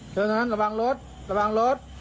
เดินทางนั้นระวังรถระวังรถ